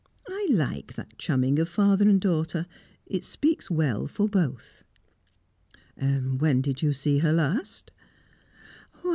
I like that chumming of father and daughter; it speaks well for both." "When did you see her last?"